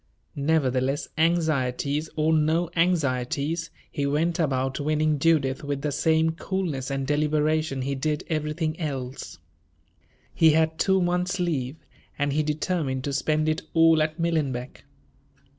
Nevertheless, anxieties or no anxieties, he went about winning Judith with the same coolness and deliberation he did everything else. He had two months' leave, and he determined to spend it all at Millenbeck.